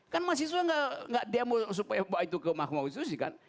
kan mahasiswa nggak demo supaya itu ke mahkamah konstitusi kan